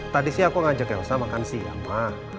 tadi sih aku ngajak elsa makan siang pak